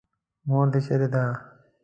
مور دې چېرې ده.